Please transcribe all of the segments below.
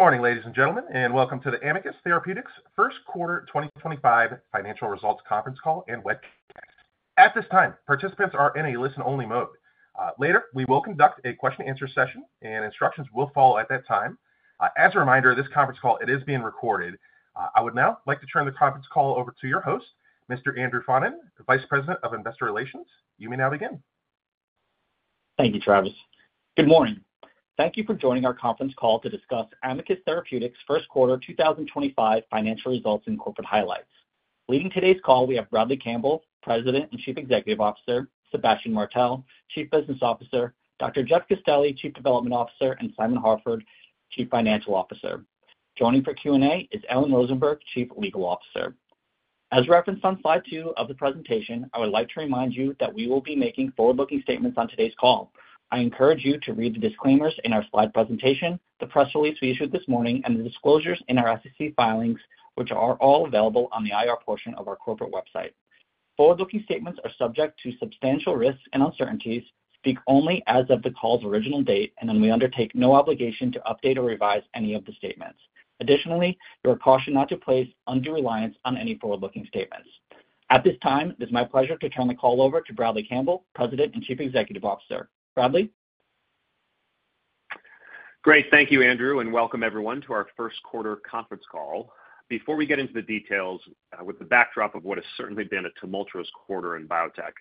Good morning, ladies and gentlemen, and welcome to the Amicus Therapeutics First Quarter 2025 Financial Results Conference Call and Webcast. At this time, participants are in a listen-only mode. Later, we will conduct a question-and-answer session, and instructions will follow at that time. As a reminder, this conference call is being recorded. I would now like to turn the conference call over to your host, Mr. Andrew Faughnan, Vice President of Investor Relations. You may now begin. Thank you, Travis. Good morning. Thank you for joining our conference call to discuss Amicus Therapeutics First Quarter 2025 Financial Results and Corporate Highlights. Leading today's call, we have Bradley Campbell, President and Chief Executive Officer; Sébastien Martel, Chief Business Officer; Dr. Jeff Castelli, Chief Development Officer; and Simon Harford, Chief Financial Officer. Joining for Q&A is Ellen Rosenberg, Chief Legal Officer. As referenced on Slide 2 of the presentation, I would like to remind you that we will be making forward-looking statements on today's call. I encourage you to read the disclaimers in our slide presentation, the press release we issued this morning, and the disclosures in our SEC filings, which are all available on the IR portion of our corporate website. Forward-looking statements are subject to substantial risks and uncertainties, speak only as of the call's original date, and we undertake no obligation to update or revise any of the statements. Additionally, you are cautioned not to place undue reliance on any forward-looking statements. At this time, it is my pleasure to turn the call over to Bradley Campbell, President and Chief Executive Officer. Bradley? Great. Thank you, Andrew, and welcome everyone to our First Quarter Conference Call. Before we get into the details with the backdrop of what has certainly been a tumultuous quarter in biotech,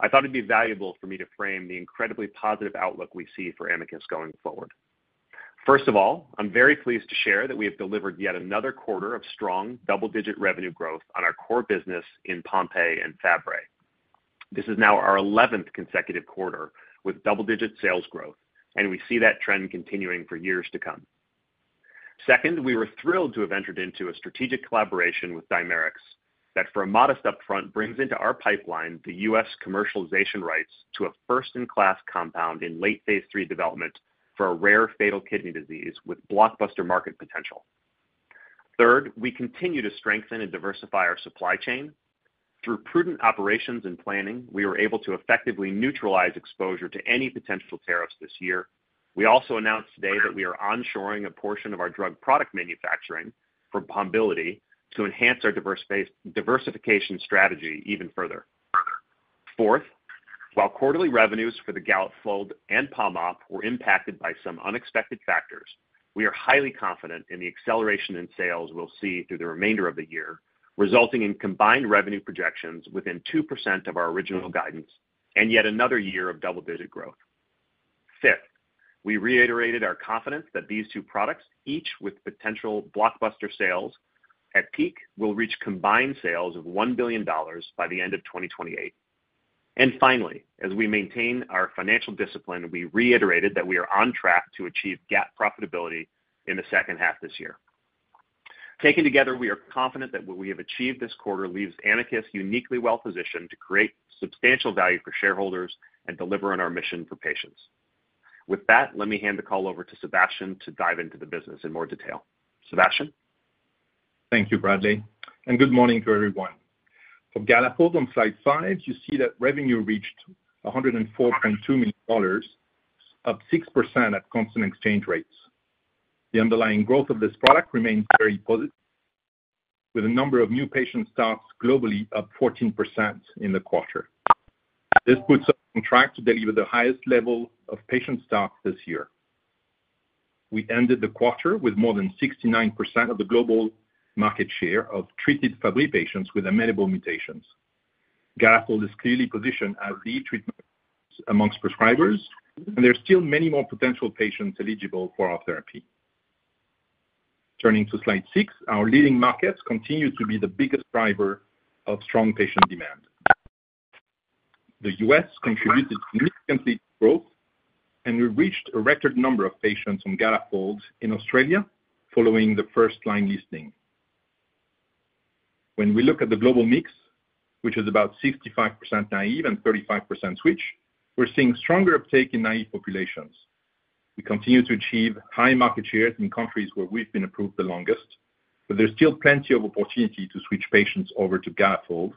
I thought it'd be valuable for me to frame the incredibly positive outlook we see for Amicus going forward. First of all, I'm very pleased to share that we have delivered yet another quarter of strong double-digit revenue growth on our core business in Pompe and Fabry. This is now our 11th consecutive quarter with double-digit sales growth, and we see that trend continuing for years to come. Second, we were thrilled to have entered into a strategic collaboration with Dimerix that, for a modest upfront, brings into our pipeline the US commercialization rights to a first-in-class compound in late phase III development for a rare fatal kidney disease with blockbuster market potential. Third, we continue to strengthen and diversify our supply chain. Through prudent operations and planning, we were able to effectively neutralize exposure to any potential tariffs this year. We also announced today that we are onshoring a portion of our drug product manufacturing from Pombiliti to enhance our diversification strategy even further. Fourth, while quarterly revenues for the Galafold and Pombiliti and Opfolda were impacted by some unexpected factors, we are highly confident in the acceleration in sales we'll see through the remainder of the year, resulting in combined revenue projections within 2% of our original guidance and yet another year of double-digit growth. Fifth, we reiterated our confidence that these two products, each with potential blockbuster sales at peak, will reach combined sales of $1 billion by the end of 2028. Finally, as we maintain our financial discipline, we reiterated that we are on track to achieve GAAP profitability in the second half this year. Taken together, we are confident that what we have achieved this quarter leaves Amicus uniquely well-positioned to create substantial value for shareholders and deliver on our mission for patients. With that, let me hand the call over to Sébastien to dive into the business in more detail. Sébastien? Thank you, Bradley, and good morning to everyone. For Galafold, on Slide 5, you see that revenue reached $104.2 million, up 6% at constant exchange rates. The underlying growth of this product remains very positive, with the number of new patient starts globally up 14% in the quarter. This puts us on track to deliver the highest level of patient starts this year. We ended the quarter with more than 69% of the global market share of treated Fabry patients with amenable mutations. Galafold is clearly positioned as the treatment amongst prescribers, and there are still many more potential patients eligible for our therapy. Turning to Slide 6, our leading markets continue to be the biggest driver of strong patient demand. The US contributed significantly to growth, and we reached a record number of patients on Galafold in Australia following the first-line listing. When we look at the global mix, which is about 65% naive and 35% switch, we're seeing stronger uptake in naive populations. We continue to achieve high market shares in countries where we've been approved the longest, but there's still plenty of opportunity to switch patients over to Galafold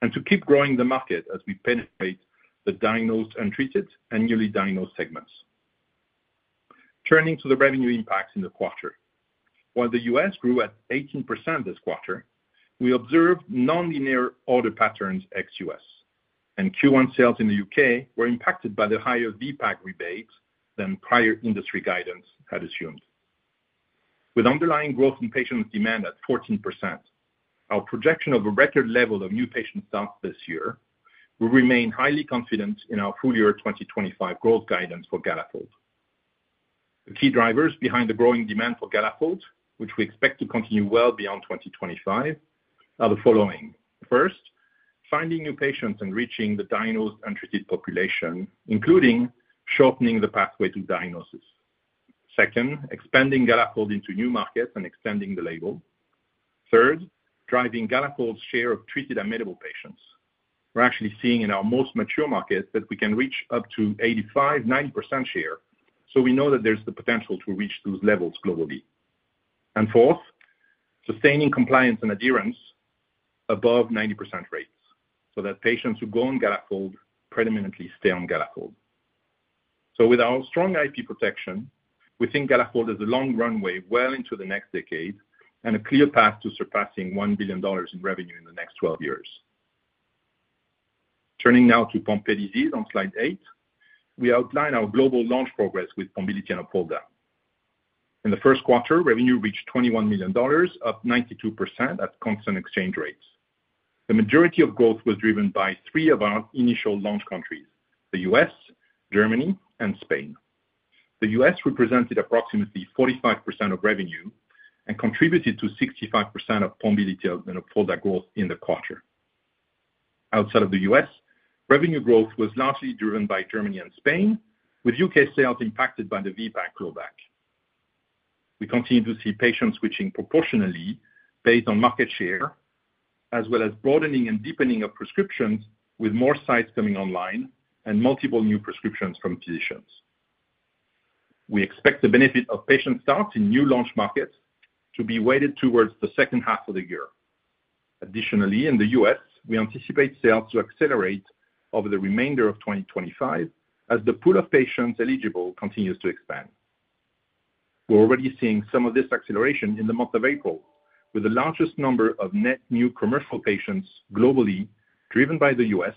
and to keep growing the market as we penetrate the diagnosed untreated and newly diagnosed segments. Turning to the revenue impacts in the quarter, while the US grew at 18% this quarter, we observed non-linear order patterns ex US, and Q1 sales in the UK were impacted by the higher VPAS rebates than prior industry guidance had assumed. With underlying growth in patient demand at 14%, our projection of a record level of new patient stock this year, we remain highly confident in our full year 2025 growth guidance for Galafold. The key drivers behind the growing demand for Galafold, which we expect to continue well beyond 2025, are the following: First, finding new patients and reaching the diagnosed untreated population, including shortening the pathway to diagnosis; second, expanding Galafold into new markets and extending the label; third, driving Galafold's share of treated amenable patients. We're actually seeing in our most mature markets that we can reach up to 85 to 90% share, so we know that there's the potential to reach those levels globally; and fourth, sustaining compliance and adherence above 90% rates so that patients who go on Galafold predominantly stay on Galafold. With our strong IP protection, we think Galafold has a long runway well into the next decade and a clear path to surpassing $1 billion in revenue in the next 12 years. Turning now to Pompe disease on Slide 8, we outline our global launch progress with Pombiliti and Opfolda. In the first quarter, revenue reached $21 million, up 92% at constant exchange rates. The majority of growth was driven by three of our initial launch countries: the US, Germany, and Spain. The US represented approximately 45% of revenue and contributed to 65% of Pombiliti and Opfolda growth in the quarter. Outside of the US, revenue growth was largely driven by Germany and Spain, with UK sales impacted by the VPAS rollback. We continue to see patients switching proportionally based on market share, as well as broadening and deepening of prescriptions, with more sites coming online and multiple new prescriptions from physicians. We expect the benefit of patient stocks in new launch markets to be weighted towards the second half of the year. Additionally, in the US, we anticipate sales to accelerate over the remainder of 2025 as the pool of patients eligible continues to expand. We're already seeing some of this acceleration in the month of April, with the largest number of net new commercial patients globally driven by the US,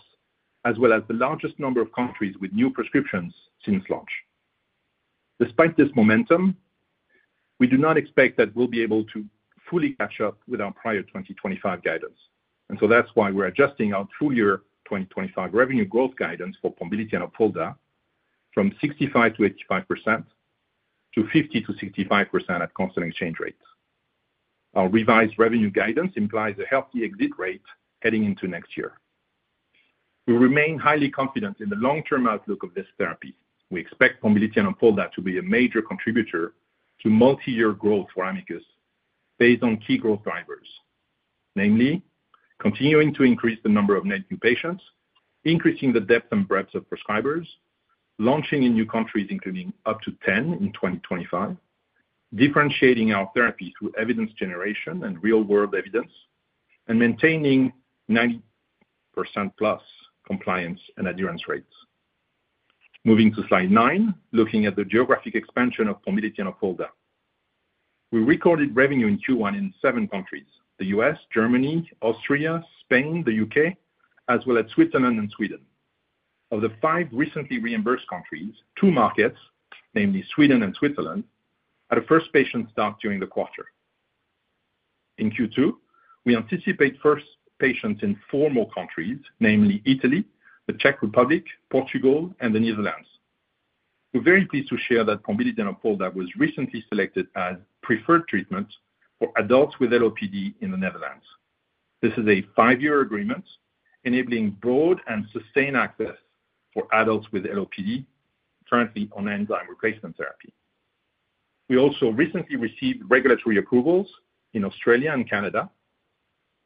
as well as the largest number of countries with new prescriptions since launch. Despite this momentum, we do not expect that we'll be able to fully catch up with our prior 2025 guidance, and so that's why we're adjusting our full year 2025 revenue growth guidance for Pombiliti and Opfolda from 65% to 85% to 50% to 65% at constant exchange rates. Our revised revenue guidance implies a healthy exit rate heading into next year. We remain highly confident in the long-term outlook of this therapy. We expect Pombiliti and Opfolda to be a major contributor to multi-year growth for Amicus based on key growth drivers, namely continuing to increase the number of net new patients, increasing the depth and breadth of prescribers, launching in new countries including up to 10 in 2025, differentiating our therapy through evidence generation and real-world evidence, and maintaining 90% plus compliance and adherence rates. Moving to Slide 9, looking at the geographic expansion of Pombiliti and Opfolda, we recorded revenue in Q1 in seven countries: the US, Germany, Austria, Spain, the UK, as well as Switzerland and Sweden. Of the five recently reimbursed countries, two markets, namely Sweden and Switzerland, had a first patient start during the quarter. In Q2, we anticipate first patients in four more countries, namely Italy, the Czech Republic, Portugal, and the Netherlands. We're very pleased to share that Pombiliti and Opfolda was recently selected as preferred treatment for adults with LOPD in the Netherlands. This is a five-year agreement enabling broad and sustained access for adults with LOPD currently on enzyme replacement therapy. We also recently received regulatory approvals in Australia and Canada,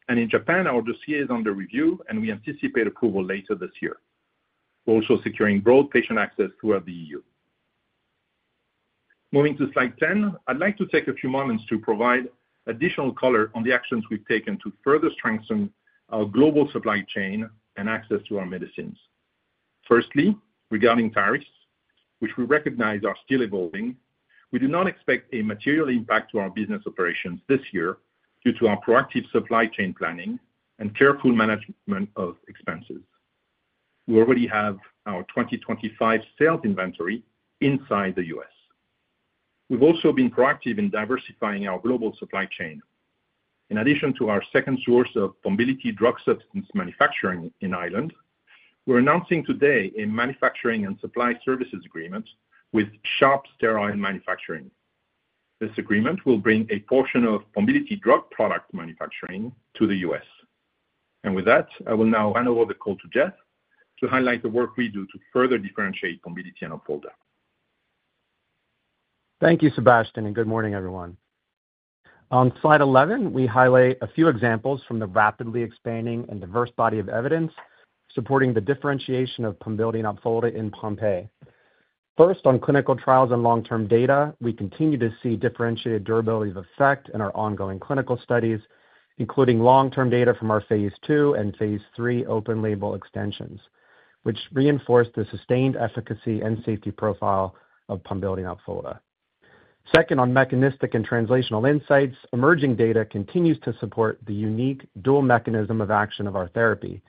and in Japan, our dossier is under review, and we anticipate approval later this year. We're also securing broad patient access throughout the EU. Moving to Slide 10, I'd like to take a few moments to provide additional color on the actions we've taken to further strengthen our global supply chain and access to our medicines. Firstly, regarding tariffs, which we recognize are still evolving, we do not expect a material impact to our business operations this year due to our proactive supply chain planning and careful management of expenses. We already have our 2025 sales inventory inside the US. We've also been proactive in diversifying our global supply chain. In addition to our second source of Pombiliti drug substance manufacturing in Ireland, we're announcing today a manufacturing and supply services agreement with Sharp Manufacturing. This agreement will bring a portion of Pombiliti drug product manufacturing to the US. With that, I will now hand over the call to Jeff to highlight the work we do to further differentiate Pombiliti and Opfolda. Thank you, Sebastian, and good morning, everyone. On Slide 11, we highlight a few examples from the rapidly expanding and diverse body of evidence supporting the differentiation of Pombiliti and Opfolda in Pompe. First, on clinical trials and long-term data, we continue to see differentiated durability of effect in our ongoing clinical studies, including long-term data from our phase II and phase III open label extensions, which reinforce the sustained efficacy and safety profile of Pombiliti and Opfolda. Second, on mechanistic and translational insights, emerging data continues to support the unique dual mechanism of action of our therapy.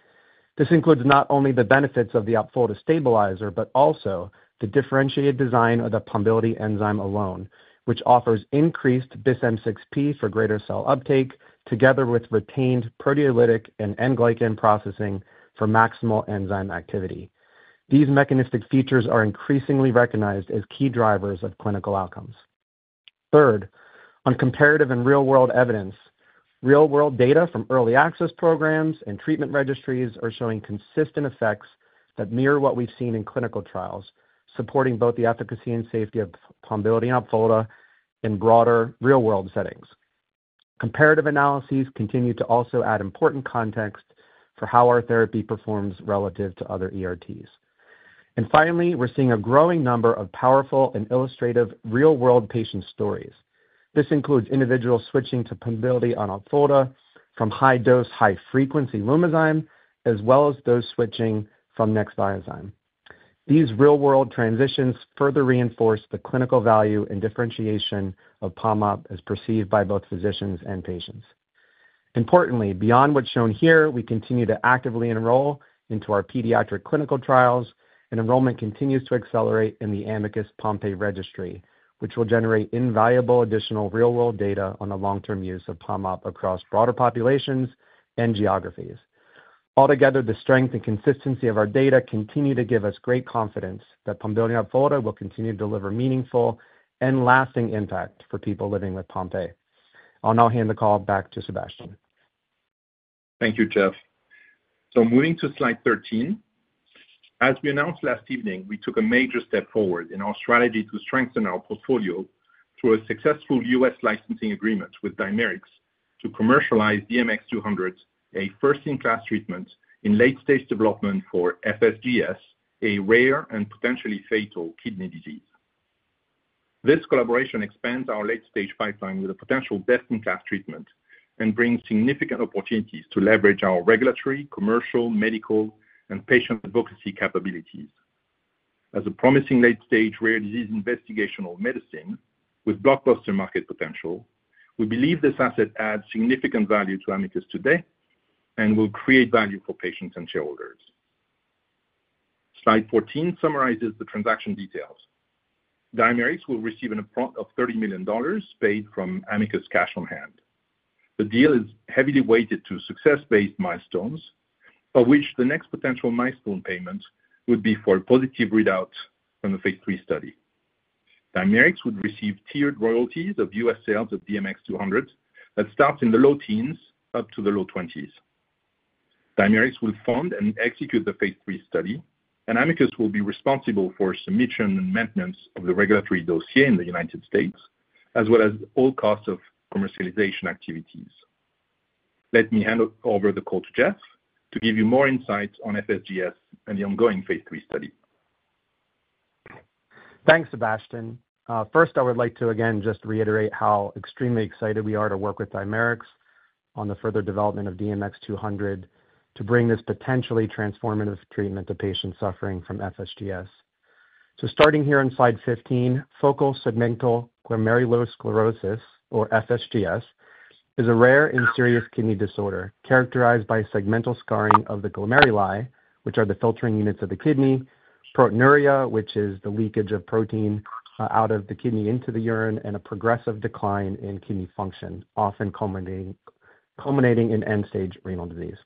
This includes not only the benefits of the Opfolda stabilizer, but also the differentiated design of the Pombiliti enzyme alone, which offers increased Bis-M6P for greater cell uptake, together with retained proteolytic and N-glycan processing for maximal enzyme activity. These mechanistic features are increasingly recognized as key drivers of clinical outcomes. Third, on comparative and real-world evidence, real-world data from early access programs and treatment registries are showing consistent effects that mirror what we've seen in clinical trials, supporting both the efficacy and safety of Pombiliti and Opfolda in broader real-world settings. Comparative analyses continue to also add important context for how our therapy performs relative to other ERTs. Finally, we're seeing a growing number of powerful and illustrative real-world patient stories. This includes individuals switching to Pombiliti and Opfolda from high-dose high-frequency Lumizyme, as well as those switching from Nexviazyme. These real-world transitions further reinforce the clinical value and differentiation of Pombiliti and Opfolda as perceived by both physicians and patients. Importantly, beyond what's shown here, we continue to actively enroll into our pediatric clinical trials, and enrollment continues to accelerate in the Amicus Pompe registry, which will generate invaluable additional real-world data on the long-term use of Pombiliti and Opfolda across broader populations and geographies. Altogether, the strength and consistency of our data continue to give us great confidence that Pombiliti and Opfolda will continue to deliver meaningful and lasting impact for people living with Pompe. I'll now hand the call back to Sébastien. Thank you, Jeff. Moving to Slide 13, as we announced last evening, we took a major step forward in our strategy to strengthen our portfolio through a successful US licensing agreement with Dimerix to commercialize DMX-200, a first-in-class treatment in late-stage development for FSGS, a rare and potentially fatal kidney disease. This collaboration expands our late-stage pipeline with a potential best-in-class treatment and brings significant opportunities to leverage our regulatory, commercial, medical, and patient advocacy capabilities. As a promising late-stage rare disease investigational medicine with blockbuster market potential, we believe this asset adds significant value to Amicus today and will create value for patients and shareholders. Slide 14 summarizes the transaction details. Dimerix will receive an upfront of $30 million paid from Amicus cash on hand. The deal is heavily weighted to success-based milestones, for which the next potential milestone payment would be for a positive readout from the phase III study. Dimerix would receive tiered royalties of US sales of DMX-200 that starts in the low teens up to the low twenties. Dimerix will fund and execute the phase III study, and Amicus will be responsible for submission and maintenance of the regulatory dossier in the United States, as well as all costs of commercialization activities. Let me hand over the call to Jeff to give you more insights on FSGS and the ongoing phase III study. Thanks, Sebastian. First, I would like to again just reiterate how extremely excited we are to work with Dimerix on the further development of DMX-200 to bring this potentially transformative treatment to patients suffering from FSGS. Starting here on Slide 15, focal segmental glomerulosclerosis, or FSGS, is a rare and serious kidney disorder characterized by segmental scarring of the glomeruli, which are the filtering units of the kidney, proteinuria, which is the leakage of protein out of the kidney into the urine, and a progressive decline in kidney function, often culminating in end-stage renal disease.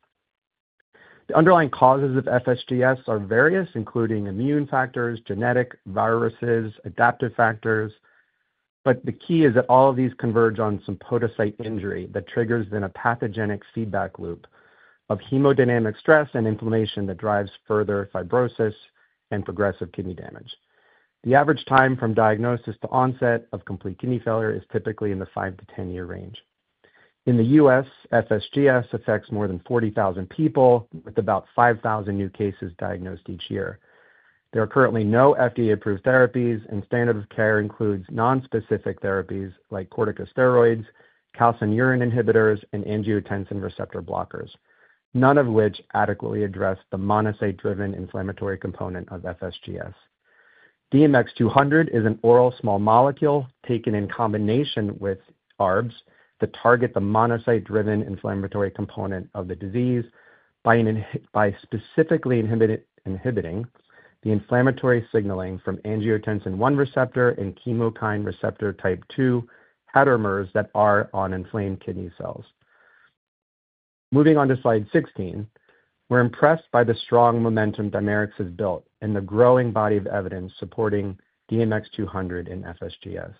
The underlying causes of FSGS are various, including immune factors, genetic viruses, adaptive factors, but the key is that all of these converge on some podocyte injury that triggers then a pathogenic feedback loop of hemodynamic stress and inflammation that drives further fibrosis and progressive kidney damage. The average time from diagnosis to onset of complete kidney failure is typically in the five to ten-year range. In the US, FSGS affects more than 40,000 people, with about 5,000 new cases diagnosed each year. There are currently no FDA-approved therapies, and standard of care includes nonspecific therapies like corticosteroids, calcineurin inhibitors, and angiotensin receptor blockers, none of which adequately address the monocyte-driven inflammatory component of FSGS. DMX-200 is an oral small molecule taken in combination with ARBs that target the monocyte-driven inflammatory component of the disease by specifically inhibiting the inflammatory signaling from angiotensin type 1 receptor and chemokine receptor type II heteromers that are on inflamed kidney cells. Moving on to Slide 16, we're impressed by the strong momentum Dimerix has built and the growing body of evidence supporting DMX-200 in FSGS.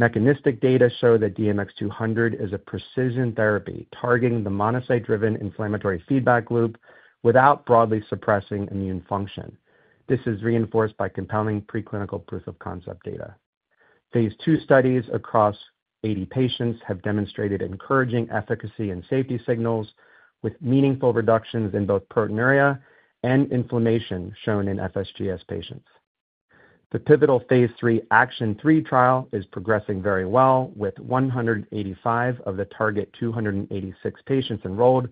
Mechanistic data show that DMX-200 is a precision therapy targeting the monocyte-driven inflammatory feedback loop without broadly suppressing immune function. This is reinforced by compelling preclinical proof of concept data. Phase II studies across 80 patients have demonstrated encouraging efficacy and safety signals, with meaningful reductions in both proteinuria and inflammation shown in FSGS patients. The pivotal phase 3 ACTION3 trial is progressing very well, with 185 of the target 286 patients enrolled.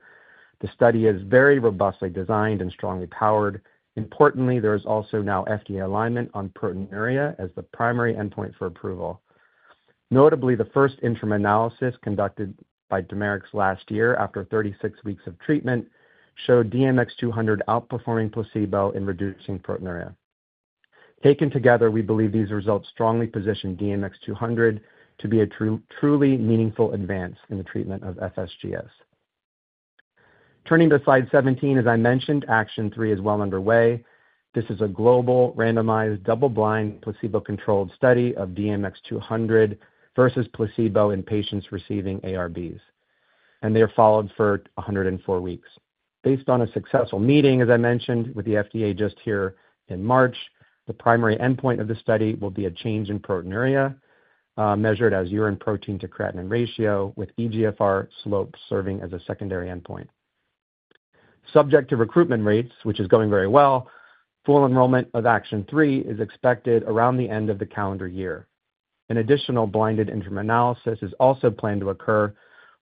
The study is very robustly designed and strongly powered. Importantly, there is also now FDA alignment on proteinuria as the primary endpoint for approval. Notably, the first interim analysis conducted by Dimerix last year after 36 weeks of treatment showed DMX-200 outperforming placebo in reducing proteinuria. Taken together, we believe these results strongly position DMX-200 to be a truly meaningful advance in the treatment of FSGS. Turning to Slide 17, as I mentioned, ACTION3 is well underway. This is a global randomized double-blind placebo-controlled study of DMX-200 versus placebo in patients receiving ARBs, and they are followed for 104 weeks. Based on a successful meeting, as I mentioned, with the FDA just here in March, the primary endpoint of the study will be a change in proteinuria measured as urine protein to creatinine ratio, with eGFR slopes serving as a secondary endpoint. Subject to recruitment rates, which is going very well, full enrollment of ACTION3 is expected around the end of the calendar year. An additional blinded interim analysis is also planned to occur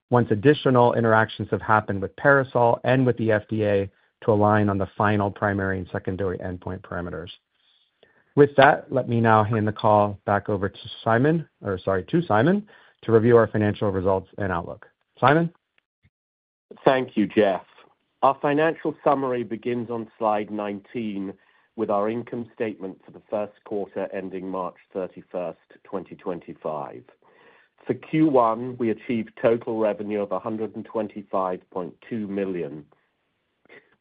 once additional interactions have happened with PARASOL and with the FDA to align on the final primary and secondary endpoint parameters. With that, let me now hand the call back over to Simon, or sorry, to Simon to review our financial results and outlook. Simon? Thank you, Jeff. Our financial summary begins on Slide 19 with our income statement for the first quarter ending March 31, 2025. For Q1, we achieved total revenue of $125.2 million,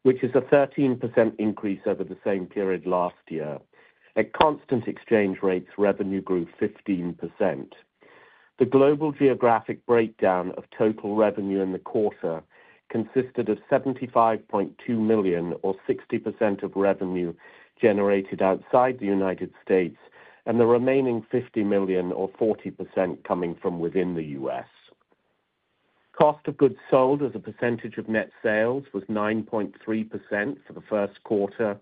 which is a 13% increase over the same period last year. At constant exchange rates, revenue grew 15%. The global geographic breakdown of total revenue in the quarter consisted of $75.2 million, or 60% of revenue generated outside the US, and the remaining $50 million, or 40%, coming from within the US. Cost of goods sold as a percentage of net sales was 9.3% for the first quarter,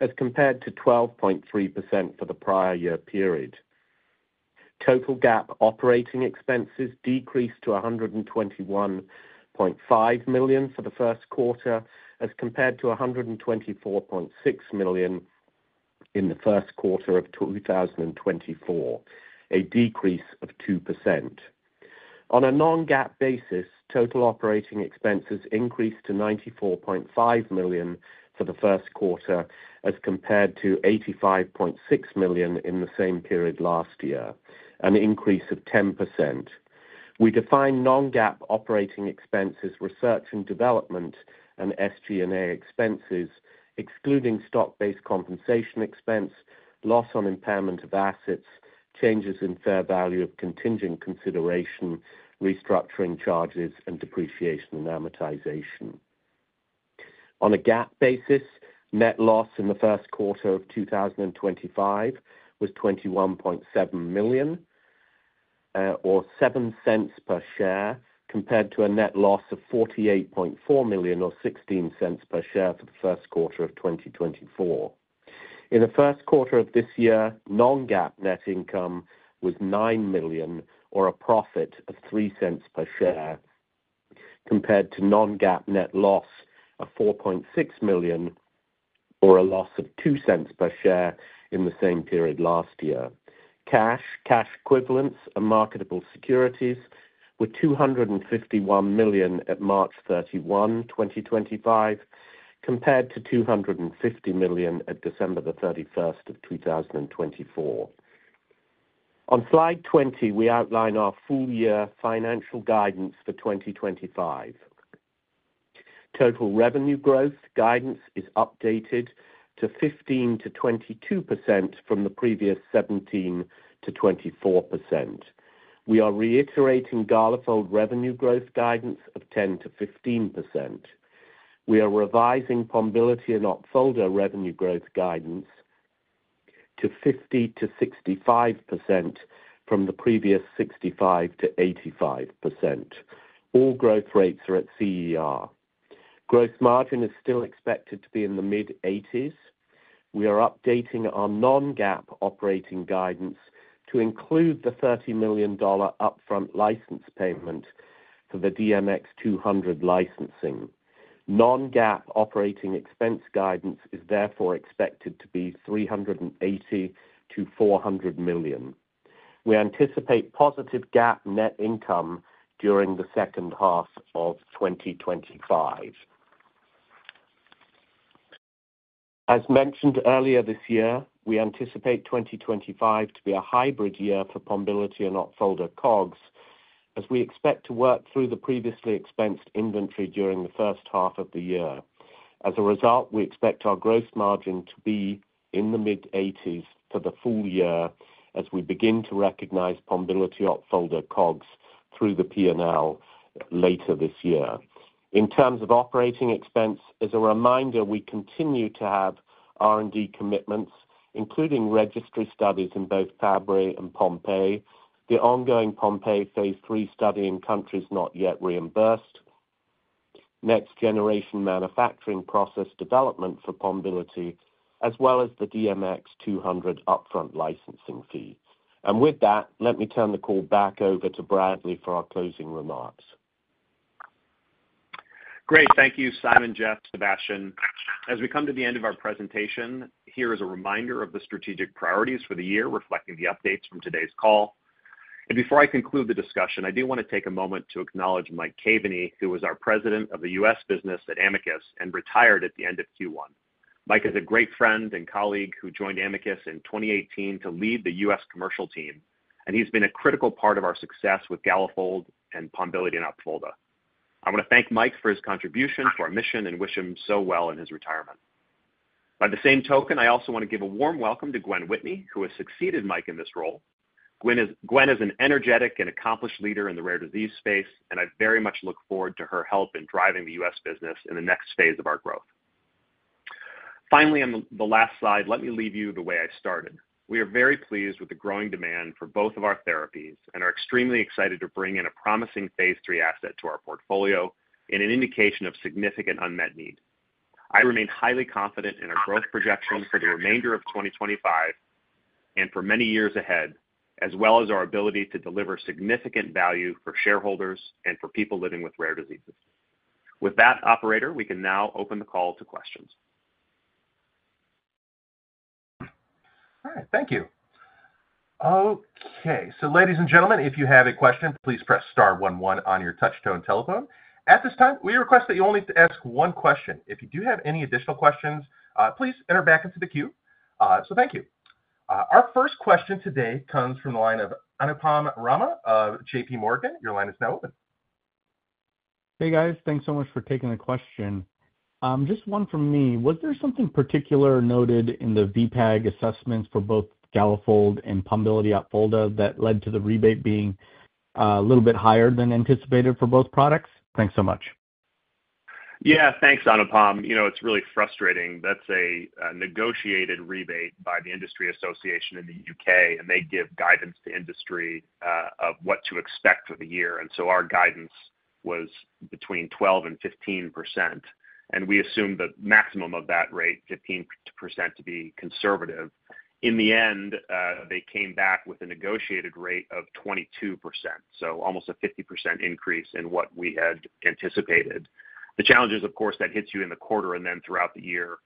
as compared to 12.3% for the prior year period. Total GAAP operating expenses decreased to $121.5 million for the first quarter, as compared to $124.6 million in the first quarter of 2024, a decrease of 2%. On a non-GAAP basis, total operating expenses increased to $94.5 million for the first quarter, as compared to $85.6 million in the same period last year, an increase of 10%. We define non-GAAP operating expenses as research and development and SG&A expenses, excluding stock-based compensation expense, loss on impairment of assets, changes in fair value of contingent consideration, restructuring charges, and depreciation and amortization. On a GAAP basis, net loss in the first quarter of 2025 was $21.7 million, or $0.07 per share, compared to a net loss of $48.4 million, or $0.16 per share for the first quarter of 2024. In the first quarter of this year, non-GAAP net income was $9 million, or a profit of $0.03 per share, compared to non-GAAP net loss of $4.6 million, or a loss of $0.02 per share in the same period last year. Cash, cash equivalents, and marketable securities were $251 million at March 31, 2025, compared to $250 million at December 31, 2024. On Slide 20, we outline our full-year financial guidance for 2025. Total revenue growth guidance is updated to 15% to 22% from the previous 17% to 24%. We are reiterating Galafold revenue growth guidance of 10% to 15%. We are revising Pombiliti and Opfolda revenue growth guidance to 50% to 65% from the previous 65% to 85%. All growth rates are at CER. Gross margin is still expected to be in the mid-80s. We are updating our non-GAAP operating guidance to include the $30 million upfront license payment for the DMX-200 licensing. Non-GAAP operating expense guidance is therefore expected to be $380 million to $400 million. We anticipate positive GAAP net income during the second half of 2025. As mentioned earlier this year, we anticipate 2025 to be a hybrid year for Pombiliti Opfolda COGS, as we expect to work through the previously expensed inventory during the first half of the year. As a result, we expect our gross margin to be in the mid-80% for the full year as we begin to recognize Pombiliti Opfolda COGS through the P&L later this year. In terms of operating expense, as a reminder, we continue to have R&D commitments, including registry studies in both Fabry and Pompe, the ongoing Pompe phase III study in countries not yet reimbursed, next-generation manufacturing process development for Pombiliti, as well as the DMX-200 upfront licensing fee. With that, let me turn the call back over to Bradley for our closing remarks. Great. Thank you, Simon, Jeff, Sebastian. As we come to the end of our presentation, here is a reminder of the strategic priorities for the year, reflecting the updates from today's call. Before I conclude the discussion, I do want to take a moment to acknowledge Mike Kavanagh, he was our President of our US business at Amicus and retired at the end of Q1. Mike is a great friend and colleague who joined Amicus in 2018 to lead the US commercial team. And he has been a critical part of our success with Galafold, Pombilion, and Folda. I want to thank Mike for his contribution to our mission and wish him so well in his retirement. By the same token, I also want to give a warm welcome to Gwen Whitney, who has succeeded Mike in this role. Gwen is an energetic and accomplished leader in the rare disease space, and I very much look forward to her help in driving the US business in the next phase of our growth. Finally, on the last slide, let me leave you the way I started. We are very pleased with the growing demand for both of our therapies and are extremely excited to bring in a promising phase III asset to our portfolio in an indication of significant unmet need. I remain highly confident in our growth projections for the remainder of 2025 and for many years ahead, as well as our ability to deliver significant value for shareholders and for people living with rare diseases. With that, operator, we can now open the call to questions. All right. Thank you. Okay. Ladies and gentlemen, if you have a question, please press star 11 on your touchstone telephone. At this time, we request that you only ask one question. If you do have any additional questions, please enter back into the queue. Thank you. Our first question today comes from the line of Anupam Rama of JPMorgan. Your line is now open. Hey, guys. Thanks so much for taking the question. Just one from me. Was there something particular noted in the VPAS assessments for both Galafold and Pombiliti and Opfolda that led to the rebate being a little bit higher than anticipated for both products? Thanks so much. Yeah. Thanks, Anupam. You know, it's really frustrating. That's a negotiated rebate by the Industry Association in the UK, and they give guidance to industry of what to expect for the year. Our guidance was between 12% to 15%. We assumed the maximum of that rate, 15%, to be conservative. In the end, they came back with a negotiated rate of 22%, so almost a 50% increase in what we had anticipated. The challenge is, of course, that hits you in the quarter and then throughout the year,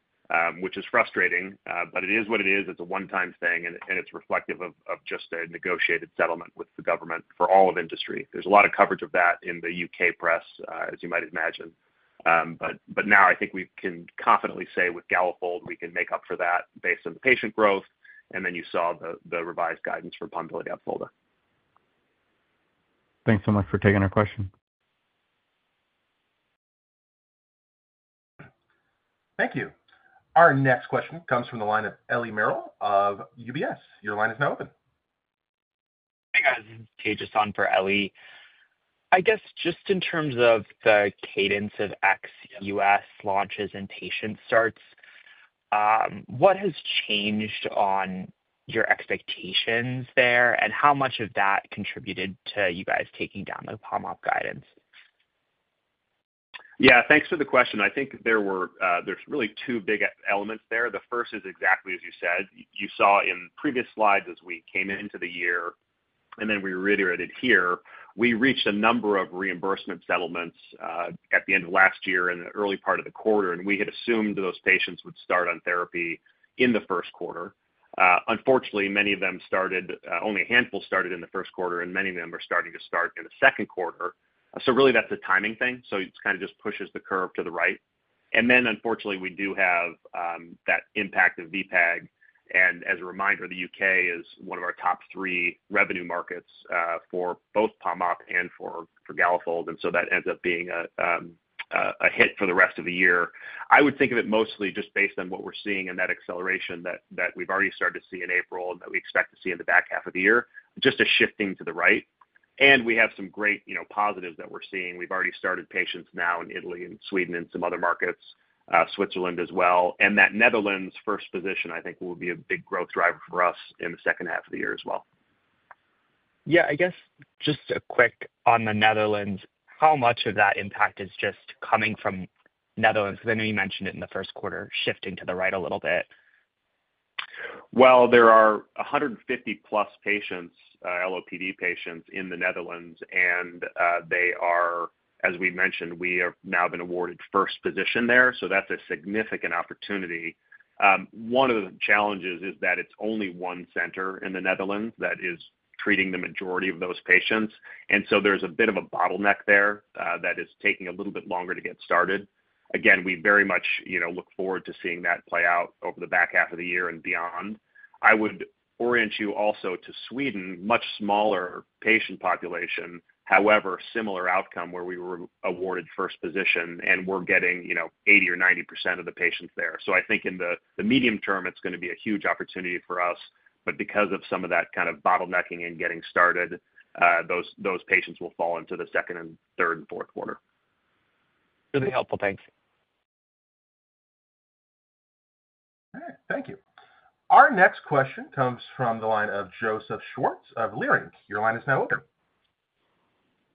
which is frustrating, but it is what it is. It's a one-time thing, and it's reflective of just a negotiated settlement with the government for all of industry. There's a lot of coverage of that in the UK press, as you might imagine. I think we can confidently say with Galafold, we can make up for that based on the patient growth. You saw the revised guidance for Pombiliti and Opfolda. Thanks so much for taking our question. Thank you. Our next question comes from the line of Ellie Merle of UBS. Your line is now open. Hey, guys. Tejas on for Ellie. I guess just in terms of the cadence of ex-US launches and patient starts, what has changed on your expectations there, and how much of that contributed to you guys taking down the Pombiliti guidance? Yeah. Thanks for the question. I think there were—there's really two big elements there. The first is exactly as you said. You saw in previous slides as we came into the year, and then we reiterated here, we reached a number of reimbursement settlements at the end of last year and the early part of the quarter, and we had assumed those patients would start on therapy in the first quarter. Unfortunately, many of them started—only a handful started in the first quarter, and many of them are starting to start in the second quarter. That is really a timing thing. It kind of just pushes the curve to the right. Unfortunately, we do have that impact of VPAS. As a reminder, the UK is one of our top three revenue markets for both Pombiliti and for Galafold. That ends up being a hit for the rest of the year. I would think of it mostly just based on what we're seeing and that acceleration that we've already started to see in April and that we expect to see in the back half of the year, just a shifting to the right. We have some great positives that we're seeing. We've already started patients now in Italy and Sweden and some other markets, Switzerland as well. That Netherlands first position, I think, will be a big growth driver for us in the second half of the year as well. Yeah. I guess just a quick on the Netherlands, how much of that impact is just coming from Netherlands? Because I know you mentioned it in the first quarter, shifting to the right a little bit. There are 150-plus patients, LOPD patients in the Netherlands, and they are, as we mentioned, we have now been awarded first position there. That is a significant opportunity. One of the challenges is that it is only one center in the Netherlands that is treating the majority of those patients. There is a bit of a bottleneck there that is taking a little bit longer to get started. Again, we very much look forward to seeing that play out over the back half of the year and beyond. I would orient you also to Sweden, much smaller patient population, however, similar outcome where we were awarded first position and were getting 80% or 90% of the patients there. I think in the medium term, it is going to be a huge opportunity for us. Because of some of that kind of bottlenecking and getting started, those patients will fall into the second and third and fourth quarter. Really helpful. Thanks. All right. Thank you. Our next question comes from the line of Joseph Schwartz of Leerink. Your line is now open.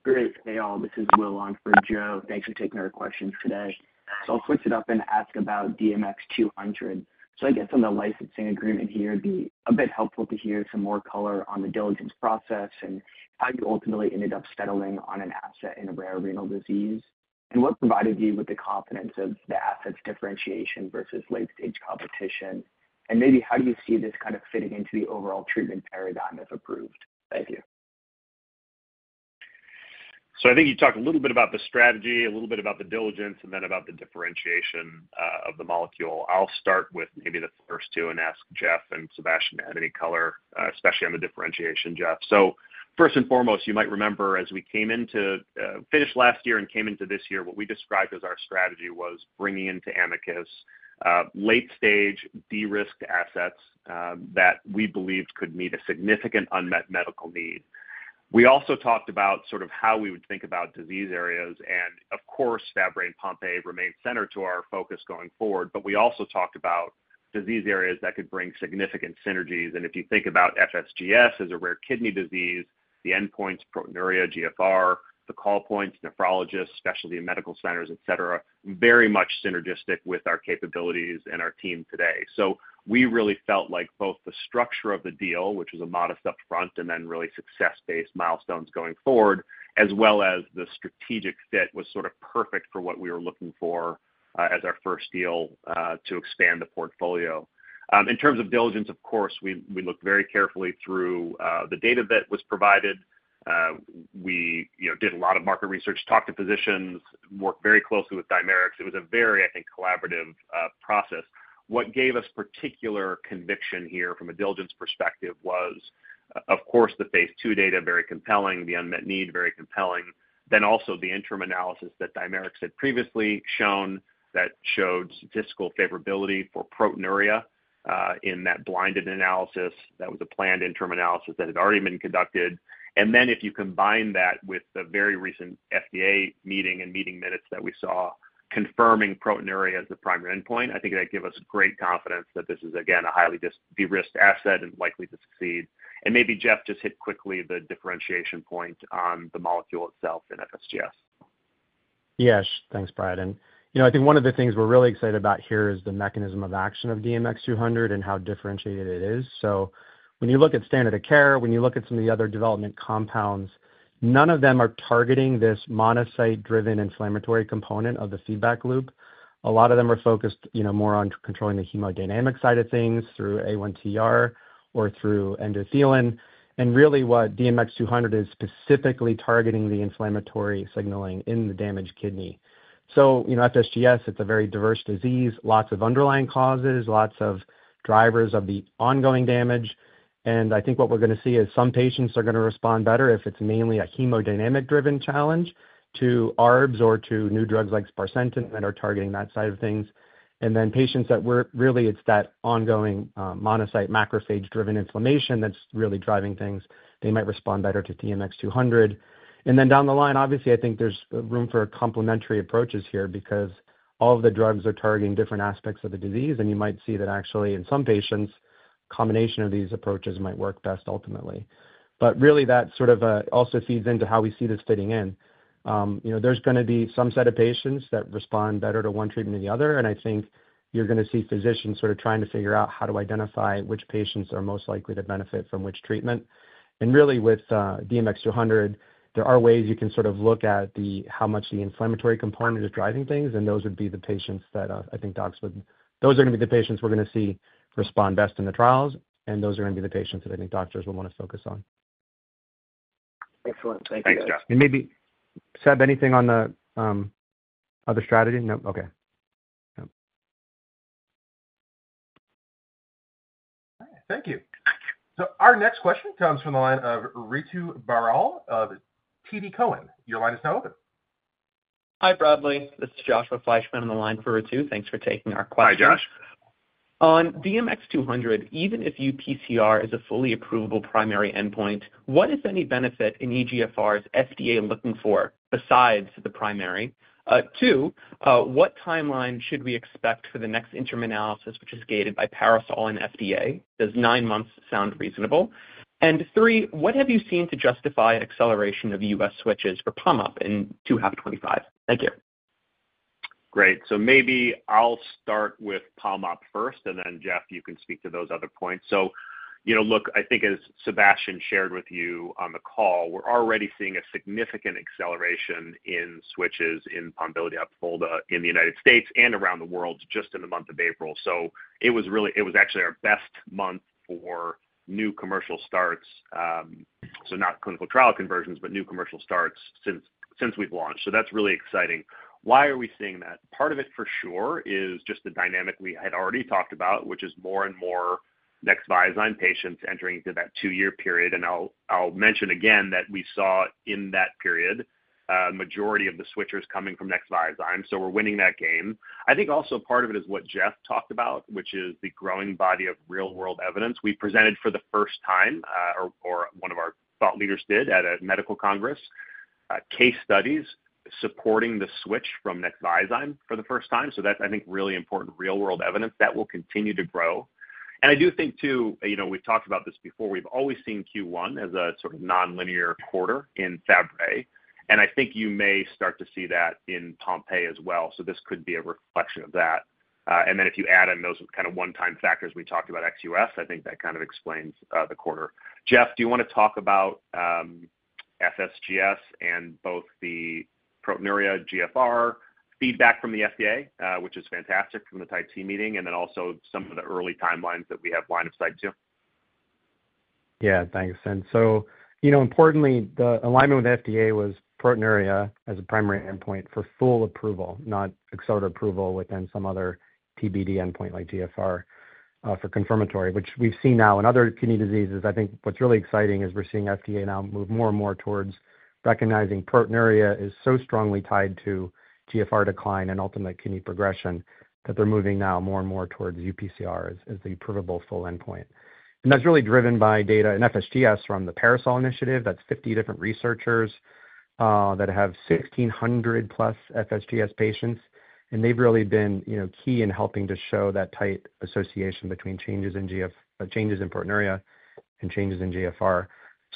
Great. Hey, all. This is Will on for Joe. Thanks for taking our questions today. I'll switch it up and ask about DMX-200. I guess on the licensing agreement here, it'd be a bit helpful to hear some more color on the diligence process and how you ultimately ended up settling on an asset in a rare renal disease and what provided you with the confidence of the asset's differentiation versus late-stage competition. Maybe how do you see this kind of fitting into the overall treatment paradigm if approved? Thank you. I think you talked a little bit about the strategy, a little bit about the diligence, and then about the differentiation of the molecule. I'll start with maybe the first two and ask Jeff and Sebastian to add any color, especially on the differentiation, Jeff. First and foremost, you might remember as we came into finished last year and came into this year, what we described as our strategy was bringing into Amicus late-stage de-risked assets that we believed could meet a significant unmet medical need. We also talked about sort of how we would think about disease areas. Of course, Fabry and Pompe remain center to our focus going forward, but we also talked about disease areas that could bring significant synergies. If you think about FSGS as a rare kidney disease, the endpoints, proteinuria, GFR, the call points, nephrologists, specialty medical centers, etc., very much synergistic with our capabilities and our team today. We really felt like both the structure of the deal, which was a modest upfront and then really success-based milestones going forward, as well as the strategic fit was sort of perfect for what we were looking for as our first deal to expand the portfolio. In terms of diligence, of course, we looked very carefully through the data that was provided. We did a lot of market research, talked to physicians, worked very closely with Dimerix. It was a very, I think, collaborative process. What gave us particular conviction here from a diligence perspective was, of course, the phase II data, very compelling, the unmet need, very compelling. The interim analysis that Dimerix had previously shown that showed statistical favorability for proteinuria in that blinded analysis. That was a planned interim analysis that had already been conducted. If you combine that with the very recent FDA meeting and meeting minutes that we saw confirming proteinuria as the primary endpoint, I think that gives us great confidence that this is, again, a highly de-risked asset and likely to succeed. Maybe Jeff just hit quickly the differentiation point on the molecule itself in FSGS. Yes. Thanks, Brad. I think one of the things we're really excited about here is the mechanism of action of DMX-200 and how differentiated it is. When you look at standard of care, when you look at some of the other development compounds, none of them are targeting this monocyte-driven inflammatory component of the feedback loop. A lot of them are focused more on controlling the hemodynamic side of things through A1TR or through endothelin. What DMX-200 is specifically targeting is the inflammatory signaling in the damaged kidney. FSGS is a very diverse disease, lots of underlying causes, lots of drivers of the ongoing damage. I think what we're going to see is some patients are going to respond better if it's mainly a hemodynamic-driven challenge to ARBs or to new drugs like Sparsentan that are targeting that side of things. Patients that were really, it's that ongoing monocyte macrophage-driven inflammation that's really driving things, they might respond better to DMX-200. Down the line, obviously, I think there's room for complementary approaches here because all of the drugs are targeting different aspects of the disease. You might see that actually in some patients, a combination of these approaches might work best ultimately. That sort of also feeds into how we see this fitting in. There's going to be some set of patients that respond better to one treatment than the other. I think you're going to see physicians sort of trying to figure out how to identify which patients are most likely to benefit from which treatment. Really with DMX-200, there are ways you can sort of look at how much the inflammatory component is driving things. Those would be the patients that I think docs would—those are going to be the patients we are going to see respond best in the trials. Those are going to be the patients that I think doctors will want to focus on. Excellent. Thank you. Thanks, Jeff. Maybe Seb, anything on the other strategy? No? Okay. All right. Thank you. Our next question comes from the line of Ritu Baral of TD Cowen. Your line is now open. Hi Bradley. This is Joshua Fleischmann on the line for Ritu. Thanks for taking our questions. Hi Josh. On DMX-200, even if UPCR is a fully approvable primary endpoint, what, if any, benefit in eGFR is FDA looking for besides the primary? Two, what timeline should we expect for the next interim analysis, which is gated by Parasol and FDA? Does nine months sound reasonable? Three, what have you seen to justify acceleration of US switches for Pombiliti in 2025? Thank you. Great. Maybe I'll start with Pombiliti first, and then Jeff, you can speak to those other points. I think as Sebastian shared with you on the call, we're already seeing a significant acceleration in switches in Pombiliti and Opfolda in the United States and around the world just in the month of April. It was actually our best month for new commercial starts, not clinical trial conversions, but new commercial starts since we've launched. That's really exciting. Why are we seeing that? Part of it for sure is just the dynamic we had already talked about, which is more and more Nexviazyme patients entering into that two-year period. I'll mention again that we saw in that period a majority of the switchers coming from Nexviazyme. We're winning that game. I think also part of it is what Jeff talked about, which is the growing body of real-world evidence. We presented for the first time, or one of our thought leaders did at a medical congress, case studies supporting the switch from Nexviazyme for the first time. That is, I think, really important real-world evidence that will continue to grow. I do think too, we've talked about this before. We've always seen Q1 as a sort of non-linear quarter in Fabry. I think you may start to see that in Pompe as well. This could be a reflection of that. If you add in those kind of one-time factors we talked about, XUS, I think that kind of explains the quarter. Jeff, do you want to talk about FSGS and both the proteinuria, GFR feedback from the FDA, which is fantastic from the Type C meeting, and then also some of the early timelines that we have line of sight to? Yeah. Thanks. Importantly, the alignment with FDA was proteinuria as a primary endpoint for full approval, not accelerated approval within some other TBD endpoint like GFR for confirmatory, which we've seen now in other kidney diseases. I think what's really exciting is we're seeing FDA now move more and more towards recognizing proteinuria is so strongly tied to GFR decline and ultimate kidney progression that they're moving now more and more towards UPCR as the provable full endpoint. That's really driven by data in FSGS from the Parasol initiative. That's 50 different researchers that have 1,600-plus FSGS patients. They've really been key in helping to show that tight association between changes in proteinuria and changes in GFR.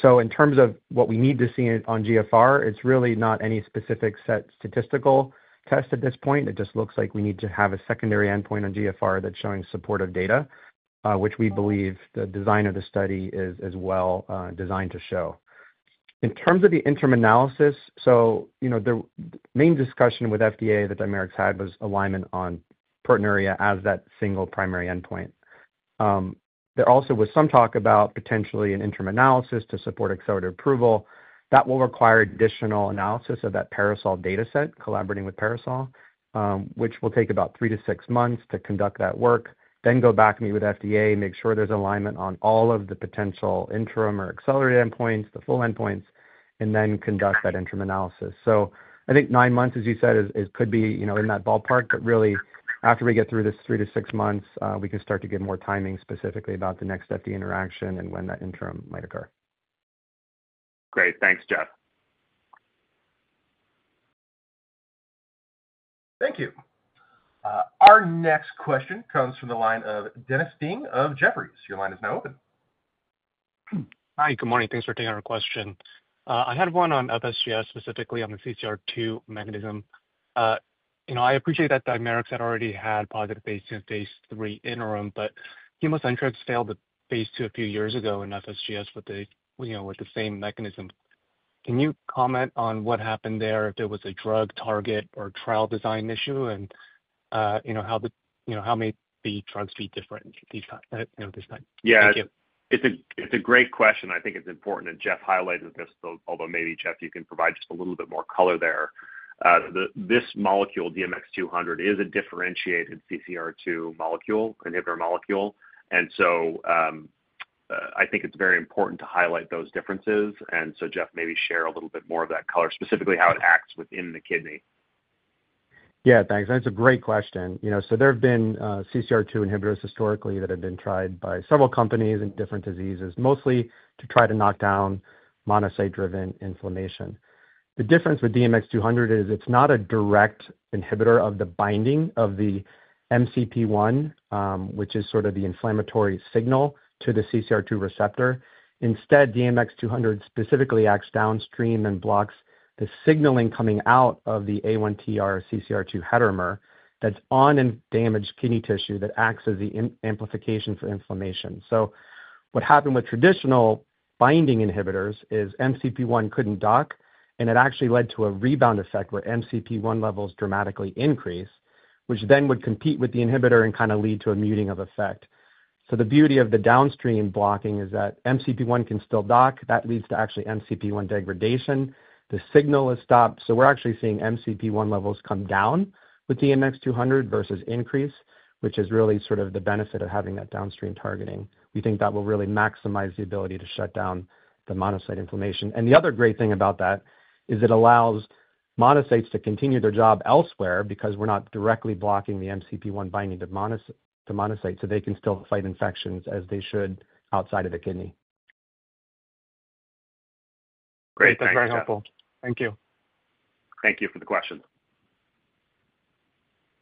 In terms of what we need to see on GFR, it's really not any specific set statistical test at this point. It just looks like we need to have a secondary endpoint on eGFR that's showing supportive data, which we believe the design of the study is well designed to show. In terms of the interim analysis, the main discussion with FDA that Dimerix had was alignment on proteinuria as that single primary endpoint. There also was some talk about potentially an interim analysis to support accelerated approval. That will require additional analysis of that Parasol data set, collaborating with Parasol, which will take about three to six months to conduct that work, then go back and meet with FDA, make sure there's alignment on all of the potential interim or accelerated endpoints, the full endpoints, and then conduct that interim analysis. I think nine months, as you said, could be in that ballpark. After we get through this three to six months, we can start to get more timing specifically about the next FDA interaction and when that interim might occur. Great. Thanks, Jeff. Thank you. Our next question comes from the line of Dennis Ding of Jefferies. Your line is now open. Hi. Good morning. Thanks for taking our question. I had one on FSGS, specifically on the CCR2 mechanism. I appreciate that Dimerix had already had positive phase two and phase three interim, but ChemoCentryx failed the phase two a few years ago in FSGS with the same mechanism. Can you comment on what happened there, if there was a drug target or trial design issue, and how may the drugs be different this time? Yeah. It's a great question. I think it's important that Jeff highlighted this, although maybe Jeff, you can provide just a little bit more color there. This molecule, DMX-200, is a differentiated CCR2 molecule, inhibitor molecule. I think it's very important to highlight those differences. Jeff, maybe share a little bit more of that color, specifically how it acts within the kidney. Yeah. Thanks. That's a great question. There have been CCR2 inhibitors historically that have been tried by several companies in different diseases, mostly to try to knock down monocyte-driven inflammation. The difference with DMX-200 is it's not a direct inhibitor of the binding of the MCP1, which is sort of the inflammatory signal to the CCR2 receptor. Instead, DMX-200 specifically acts downstream and blocks the signaling coming out of the A1TR CCR2 heteromer that's on in damaged kidney tissue that acts as the amplification for inflammation. What happened with traditional binding inhibitors is MCP1 couldn't dock, and it actually led to a rebound effect where MCP1 levels dramatically increase, which then would compete with the inhibitor and kind of lead to a muting of effect. The beauty of the downstream blocking is that MCP1 can still dock. That leads to actually MCP1 degradation. The signal is stopped. We're actually seeing MCP1 levels come down with DMX-200 versus increase, which is really sort of the benefit of having that downstream targeting. We think that will really maximize the ability to shut down the monocyte inflammation. The other great thing about that is it allows monocytes to continue their job elsewhere because we're not directly blocking the MCP1 binding to monocytes. They can still fight infections as they should outside of the kidney. Great. That's very helpful. Thank you. Thank you for the question.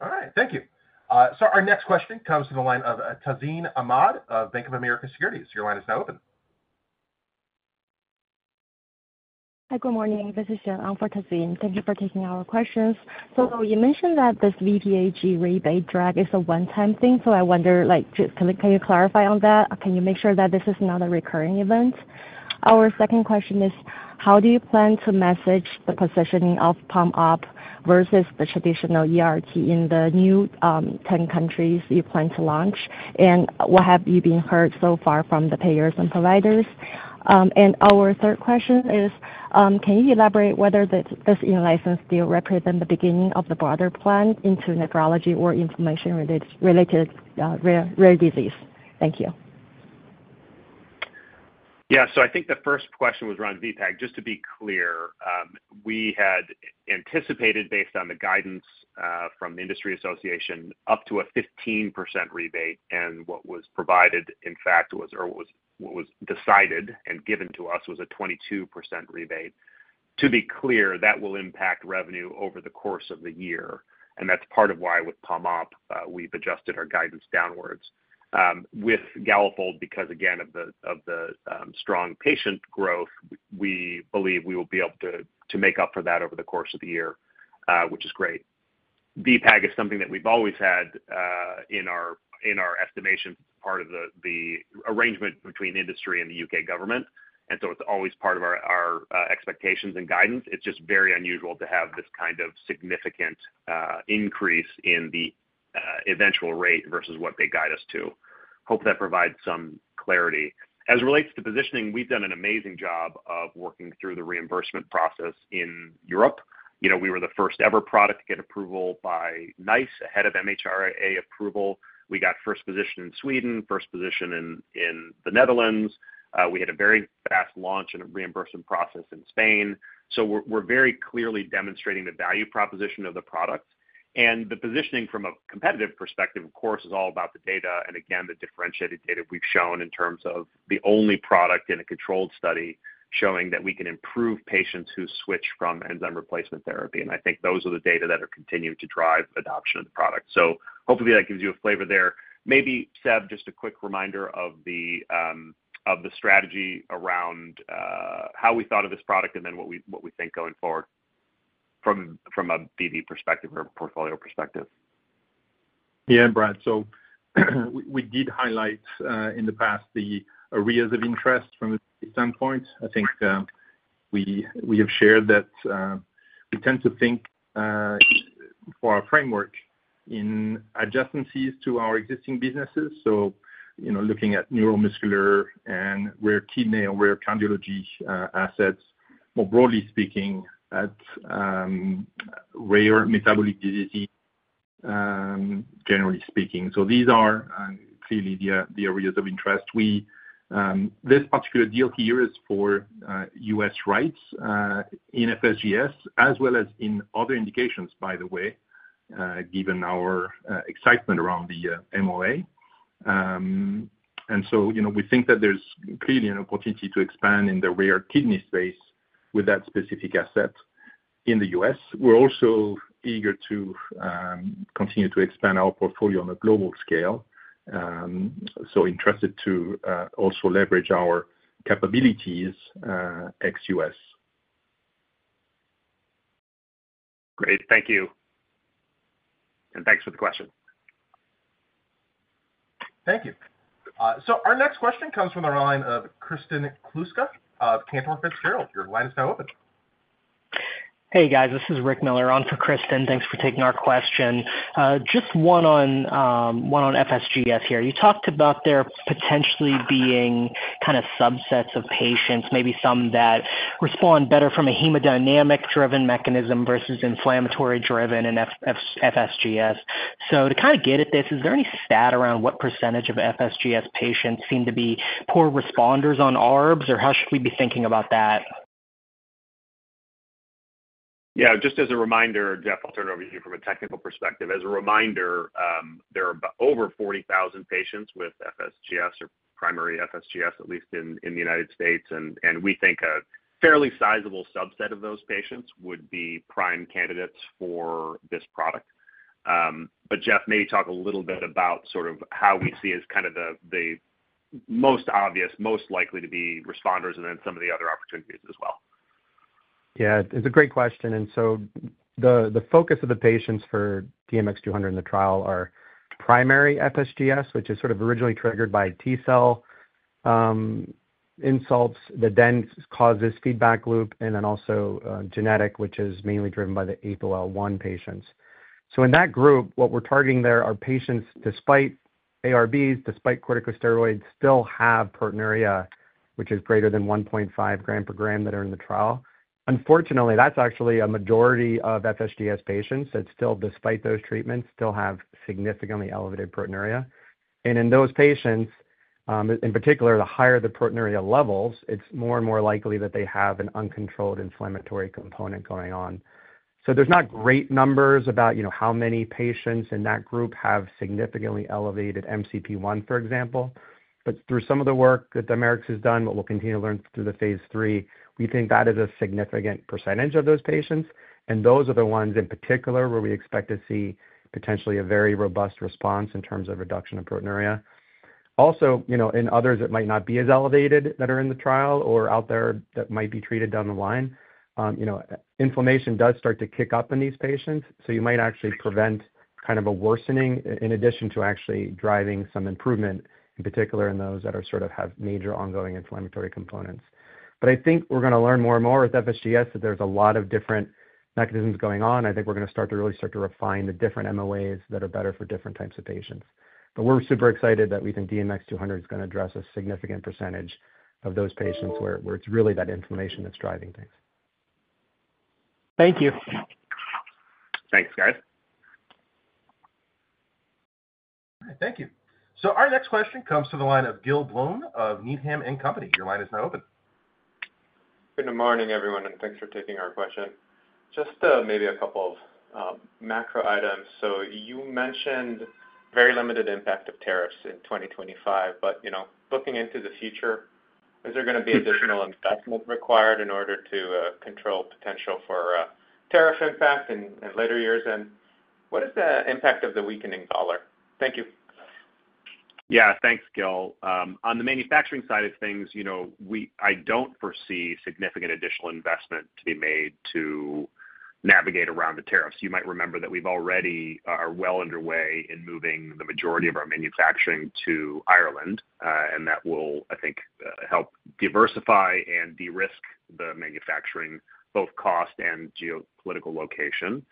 All right. Thank you. Our next question comes from the line of Tazeen Ahmad of Bank of America Securities. Your line is now open. Hi. Good morning. This is Sharon for Tazeen. Thank you for taking our questions. You mentioned that this VPAS rebate drag is a one-time thing. I wonder, can you clarify on that? Can you make sure that this is not a recurring event? Our second question is, how do you plan to message the positioning of Pombiliti versus the traditional ERT in the new 10 countries you plan to launch? What have you heard so far from the payers and providers? Our third question is, can you elaborate whether this in-license deal represents the beginning of the broader plan into nephrology or inflammation-related rare disease? Thank you. Yeah. I think the first question was around VPAS. Just to be clear, we had anticipated, based on the guidance from the Industry Association, up to a 15% rebate. What was provided, in fact, or what was decided and given to us was a 22% rebate. To be clear, that will impact revenue over the course of the year. That is part of why with Pombiliti, we've adjusted our guidance downwards. With Galafold, because again, of the strong patient growth, we believe we will be able to make up for that over the course of the year, which is great. VPAS is something that we've always had in our estimations. It is part of the arrangement between industry and the UK government. It is always part of our expectations and guidance. It's just very unusual to have this kind of significant increase in the eventual rate versus what they guide us to. Hope that provides some clarity. As it relates to positioning, we've done an amazing job of working through the reimbursement process in Europe. We were the first-ever product to get approval by NICE ahead of MHRA approval. We got first position in Sweden, first position in the Netherlands. We had a very fast launch and reimbursement process in Spain. We are very clearly demonstrating the value proposition of the product. The positioning from a competitive perspective, of course, is all about the data. Again, the differentiated data we've shown in terms of the only product in a controlled study showing that we can improve patients who switch from enzyme replacement therapy. I think those are the data that are continuing to drive adoption of the product. Hopefully that gives you a flavor there. Maybe Seb, just a quick reminder of the strategy around how we thought of this product and then what we think going forward from a BV perspective or portfolio perspective. Yeah, Brad. We did highlight in the past the areas of interest from a standpoint. I think we have shared that we tend to think for our framework in adjacencies to our existing businesses. Looking at neuromuscular and rare kidney and rare cardiology assets, more broadly speaking, at rare metabolic disease, generally speaking. These are clearly the areas of interest. This particular deal here is for US rights in FSGS, as well as in other indications, by the way, given our excitement around the MOA. We think that there's clearly an opportunity to expand in the rare kidney space with that specific asset in the US. We're also eager to continue to expand our portfolio on a global scale. Interested to also leverage our capabilities ex US. Great. Thank you. Thank you for the question. Thank you. Our next question comes from the line of Kristen Kluska of Cantor Fitzgerald. Your line is now open. Hey, guys. This is Rick Miller, on for Kristen. Thanks for taking our question. Just one on FSGS here. You talked about there potentially being kind of subsets of patients, maybe some that respond better from a hemodynamic-driven mechanism versus inflammatory-driven in FSGS. To kind of get at this, is there any stat around what percentage of FSGS patients seem to be poor responders on ARBs, or how should we be thinking about that? Yeah. Just as a reminder, Jeff, I'll turn it over to you from a technical perspective. As a reminder, there are over 40,000 patients with FSGS or primary FSGS, at least in the United States. We think a fairly sizable subset of those patients would be prime candidates for this product. Jeff, maybe talk a little bit about sort of how we see as kind of the most obvious, most likely to be responders, and then some of the other opportunities as well. Yeah. It's a great question. The focus of the patients for DMX-200 in the trial are primary FSGS, which is sort of originally triggered by T cell insults that then cause this feedback loop, and also genetic, which is mainly driven by the APOL1 patients. In that group, what we're targeting there are patients, despite ARBs, despite corticosteroids, still have proteinuria, which is greater than 1.5 gram per gram that are in the trial. Unfortunately, that's actually a majority of FSGS patients that still, despite those treatments, still have significantly elevated proteinuria. In those patients, in particular, the higher the proteinuria levels, it's more and more likely that they have an uncontrolled inflammatory component going on. There's not great numbers about how many patients in that group have significantly elevated MCP1, for example. Through some of the work that Dimerix has done, what we'll continue to learn through the phase three, we think that is a significant percentage of those patients. Those are the ones in particular where we expect to see potentially a very robust response in terms of reduction of proteinuria. Also, in others that might not be as elevated that are in the trial or out there that might be treated down the line, inflammation does start to kick up in these patients. You might actually prevent kind of a worsening in addition to actually driving some improvement, in particular in those that sort of have major ongoing inflammatory components. I think we're going to learn more and more with FSGS that there's a lot of different mechanisms going on. I think we're going to start to really start to refine the different MOAs that are better for different types of patients. We're super excited that we think DMX-200 is going to address a significant percentage of those patients where it's really that inflammation that's driving things. Thank you. Thanks, guys. Thank you. Our next question comes from the line of Gil Blum of Needham & Company. Your line is now open. Good morning, everyone. Thanks for taking our question. Just maybe a couple of macro items. You mentioned very limited impact of tariffs in 2025. Looking into the future, is there going to be additional investment required in order to control potential for tariff impact in later years? What is the impact of the weakening dollar? Thank you. Yeah. Thanks, Gil. On the manufacturing side of things, I don't foresee significant additional investment to be made to navigate around the tariffs. You might remember that we already are well underway in moving the majority of our manufacturing to Ireland. That will, I think, help diversify and de-risk the manufacturing, both cost and geopolitical location.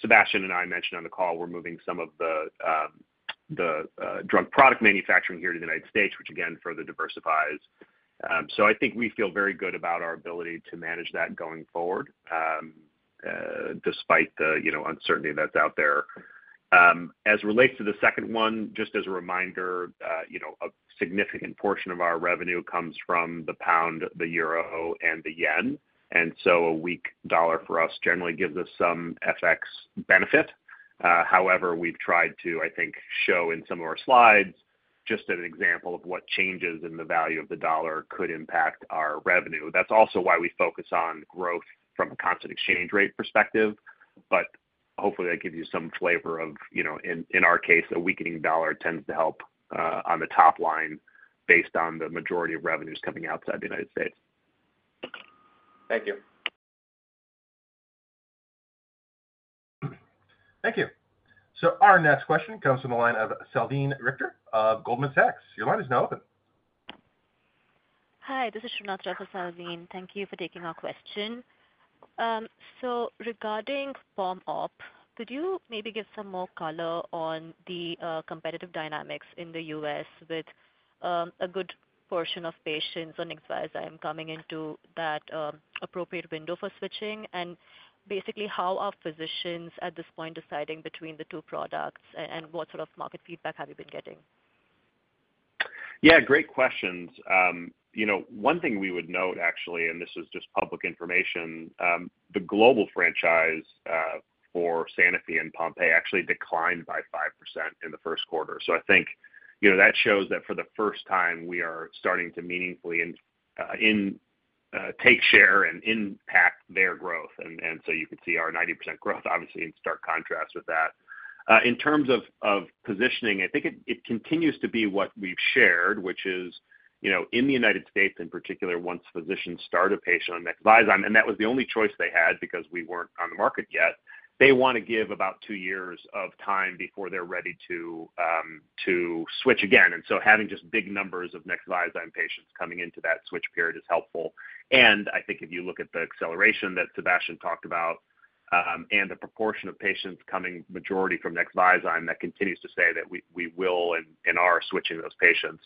Sebastian and I mentioned on the call, we're moving some of the drug product manufacturing here to the United States, which again, further diversifies. I think we feel very good about our ability to manage that going forward, despite the uncertainty that's out there. As it relates to the second one, just as a reminder, a significant portion of our revenue comes from the pound, the euro, and the yen. A weak dollar for us generally gives us some FX benefit. However, we've tried to, I think, show in some of our slides just an example of what changes in the value of the dollar could impact our revenue. That's also why we focus on growth from a constant exchange rate perspective. Hopefully, that gives you some flavor of, in our case, a weakening dollar tends to help on the top line based on the majority of revenues coming outside the United States. Thank you. Thank you. Our next question comes from the line of Salveen Richter of Goldman Sachs. Your line is now open. Hi. This is Sharnaaz Rafa Salveen. Thank you for taking our question. Regarding Pombiliti, could you maybe give some more color on the competitive dynamics in the US with a good portion of patients on Nexviazyme coming into that appropriate window for switching? Basically, how are physicians at this point deciding between the two products, and what sort of market feedback have you been getting? Yeah. Great questions. One thing we would note, actually, and this is just public information, the global franchise for Sanofi and Pompe actually declined by 5% in the first quarter. I think that shows that for the first time, we are starting to meaningfully take share and impact their growth. You can see our 90% growth, obviously, in stark contrast with that. In terms of positioning, I think it continues to be what we've shared, which is in the United States, in particular, once physicians start a patient on Nexviazyme, and that was the only choice they had because we were not on the market yet, they want to give about two years of time before they are ready to switch again. Having just big numbers of Nexviazyme patients coming into that switch period is helpful. I think if you look at the acceleration that Sebastian Martell talked about and the proportion of patients coming majority from Nexviazyme, that continues to say that we will and are switching those patients.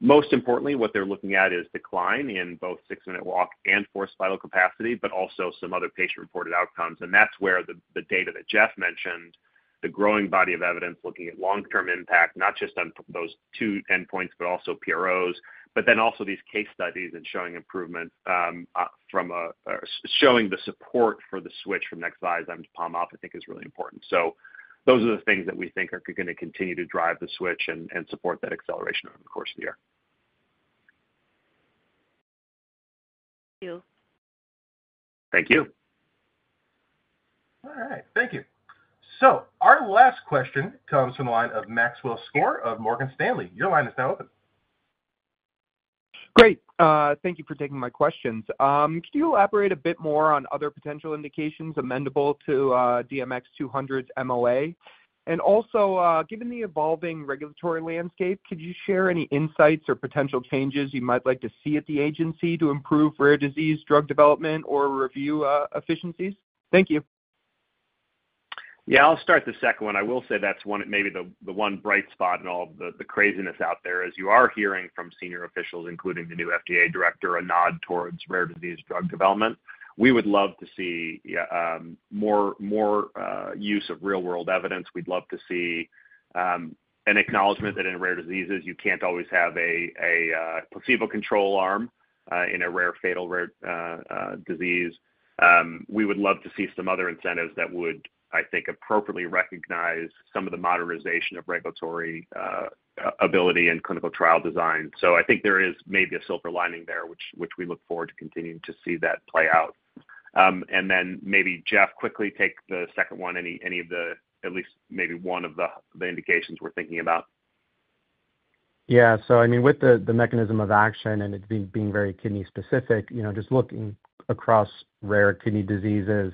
Most importantly, what they're looking at is decline in both six-minute walk and forced vital capacity, but also some other patient-reported outcomes. That is where the data that Jeff Castelli mentioned, the growing body of evidence looking at long-term impact, not just on those two endpoints, but also PROs, but then also these case studies and showing improvement from showing the support for the switch from Nexviazyme to Pombiliti, I think is really important. Those are the things that we think are going to continue to drive the switch and support that acceleration over the course of the year. Thank you. Thank you. All right. Thank you. Our last question comes from the line of Maxwell Skor of Morgan Stanley. Your line is now open. Great. Thank you for taking my questions. Could you elaborate a bit more on other potential indications amenable to DMX-200's MOA? Also, given the evolving regulatory landscape, could you share any insights or potential changes you might like to see at the agency to improve rare disease drug development or review efficiencies? Thank you. Yeah. I'll start the second one. I will say that's maybe the one bright spot in all the craziness out there, as you are hearing from senior officials, including the new FDA director, a nod towards rare disease drug development. We would love to see more use of real-world evidence. We'd love to see an acknowledgment that in rare diseases, you can't always have a placebo control arm in a rare fatal disease. We would love to see some other incentives that would, I think, appropriately recognize some of the modernization of regulatory ability and clinical trial design. I think there is maybe a silver lining there, which we look forward to continuing to see that play out. Maybe Jeff, quickly take the second one, any of the at least maybe one of the indications we're thinking about. Yeah. I mean, with the mechanism of action and it being very kidney-specific, just looking across rare kidney diseases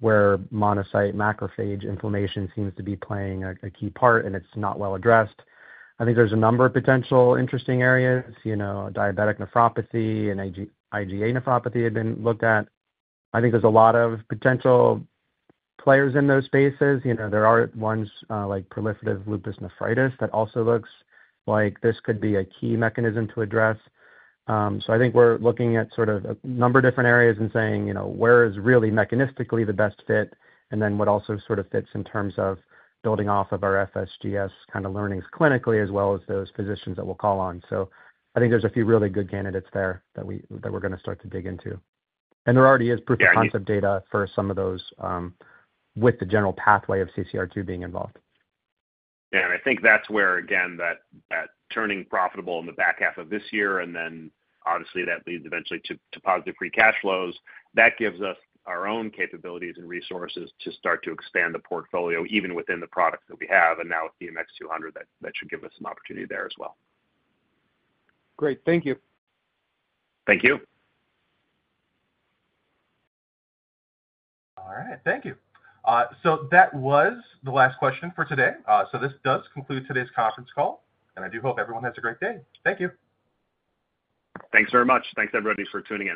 where monocyte macrophage inflammation seems to be playing a key part and it's not well addressed, I think there's a number of potential interesting areas. Diabetic nephropathy and IgA nephropathy have been looked at. I think there's a lot of potential players in those spaces. There are ones like proliferative lupus nephritis that also looks like this could be a key mechanism to address. I think we're looking at sort of a number of different areas and saying, "Where is really mechanistically the best fit?" What also sort of fits in terms of building off of our FSGS kind of learnings clinically, as well as those physicians that we'll call on. I think there's a few really good candidates there that we're going to start to dig into. There already is proof of concept data for some of those with the general pathway of CCR2 being involved. Yeah. I think that's where, again, that turning profitable in the back half of this year, and then obviously that leads eventually to positive free cash flows, that gives us our own capabilities and resources to start to expand the portfolio even within the products that we have. Now with DMX-200, that should give us some opportunity there as well. Great. Thank you. Thank you. All right. Thank you. That was the last question for today. This does conclude today's conference call. I do hope everyone has a great day. Thank you. Thanks very much. Thanks, everybody, for tuning in.